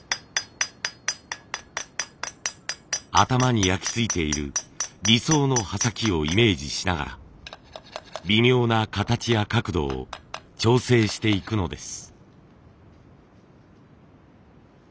頭に焼き付いている理想の刃先をイメージしながら微妙な形や角度を調整していくのです。